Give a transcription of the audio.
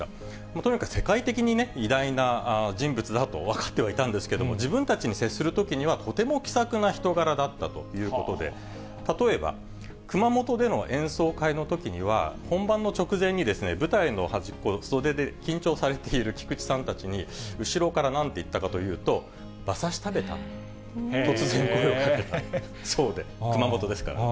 とにかく世界的に偉大な人物だと分かってはいたんですけれども、自分たちに接するときには、とても気さくな人柄だったということで、例えば、熊本での演奏会のときには、本番の直前に舞台の端っこ、袖で緊張されている菊地さんたちに、後ろからなんて言ったかというと、馬刺し食べた？と突然、声をかけたそうで、熊本ですから。